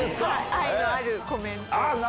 愛のあるコメント。